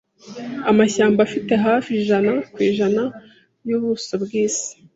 Amashyamba afite hafi .% yubuso bwisi.